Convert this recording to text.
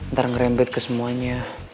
ntar ngerembet ke semuanya